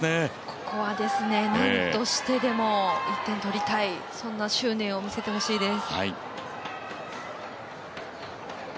ここはですね、なんとしてでも１点とりたいそんな執念を見せてほしいです。